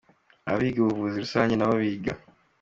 abiga ubuvuzi rusange nabo biga.